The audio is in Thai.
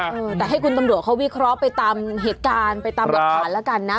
เออแต่ให้คุณตำรวจเขาวิเคราะห์ไปตามเหตุการณ์ไปตามหลักฐานแล้วกันนะ